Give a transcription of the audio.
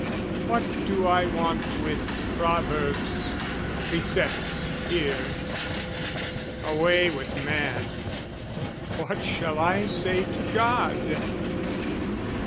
What do I want with proverbs, precepts here? Away with man! What shall I say to God?